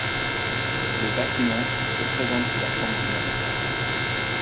Le bâtiment se présente sous la forme d'une onde.